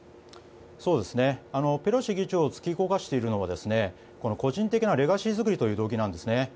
ペロシ議長を突き動かしているのは個人的なレガシー作りという動機なんですね。